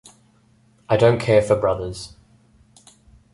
I don't care for brothers.